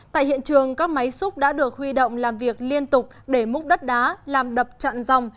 tại hiện trường các máy xúc đã được huy động làm việc liên tục để múc đất đá làm đập chặn dòng